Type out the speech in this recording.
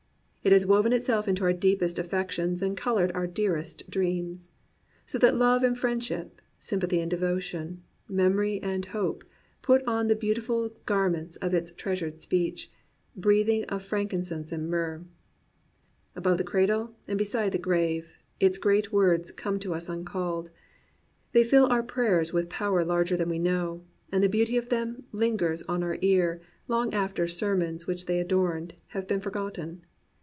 It has woven itself into our deepest affec tions and coloured our dearest dreams ; so that love and friendship, sympathy and devotion, memory and hope, put on the beautiful garments of its treasured speech, breathing of frankincense and myrrh. Above the cradle and beside the grave its great words come to us uncalled. They Jill our prayers with power larger than we know, and the beauty of them lingers on our ear long after the sermons which they adorned have been forgotten.